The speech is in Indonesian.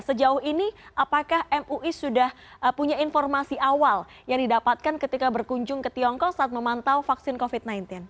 sejauh ini apakah mui sudah punya informasi awal yang didapatkan ketika berkunjung ke tiongkok saat memantau vaksin covid sembilan belas